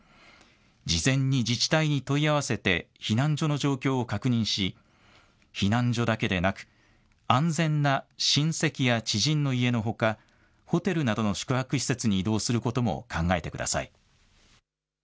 事前に自治体に問い合わせて避難所の状況を確認避難所だけでなく安全な親戚や知人の家のほかホテルなどの宿泊施設に移動することも考えてください。